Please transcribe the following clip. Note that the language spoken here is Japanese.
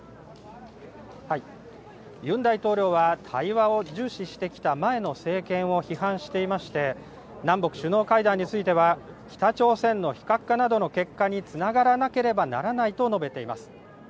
ユン大統領は対話を重視してきた前の政権を批判していまして、南北首脳会談については、北朝鮮の非核化などの結果につながらなければならないと述べています。